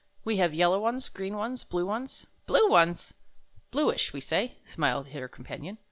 ''We have yellow ones, green ones, blue ones —" "Blue ones!" "Bluish, we say," smiled her companion.